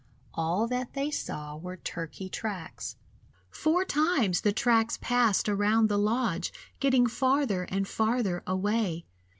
All that they saw were turkey tracks. Four times the tracks passed around the lodge, getting farther and farther away.